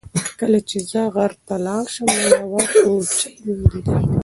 کله چې زه غره ته لاړم نو یوه کوچۍ مې ولیده.